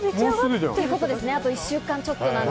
あと１週間ちょっと。